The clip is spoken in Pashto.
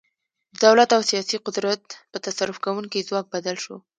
د دولت او سیاسي قدرت په تصرف کوونکي ځواک بدل شو.